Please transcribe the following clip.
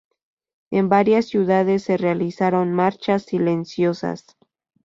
En varias ciudades se realizaron marchas silenciosas.